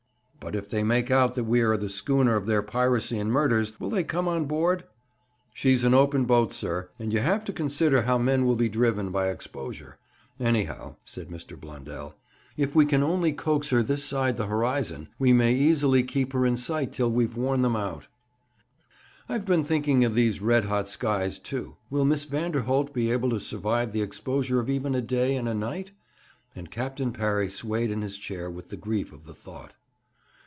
'But if they make out that we are the schooner of their piracy and murders, will they come on board?' 'She's an open boat, sir, and you have to consider how men will be driven by exposure. Anyhow,' said Mr. Blundell, 'if we can only coax her this side the horizon, we may easily keep her in sight till we've worn them out.' 'I have been thinking of these red hot skies, too. Will Miss Vanderholt be able to survive the exposure of even a day and a night?' And Captain Parry swayed in his chair with the grief of the thought.